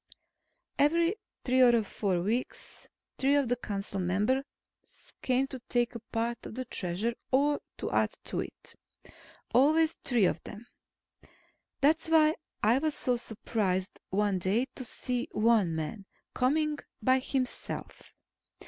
Every three or four weeks, three of the council members came to take a part of the Treasure, or to add to it. Always three of them. That's why I was so surprised one day, to see one man coming by himself.